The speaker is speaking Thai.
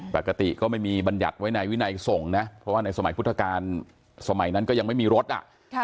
ปกติก็ไม่มีบัญญัติไว้ในวินัยส่งนะเพราะว่าในสมัยพุทธกาลสมัยนั้นก็ยังไม่มีรถอ่ะ